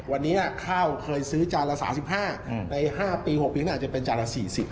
วันนี้ข้าวเคยซื้อจานละ๓๕ใน๕ปี๖ปีก็อาจจะเป็นจานละ๔๐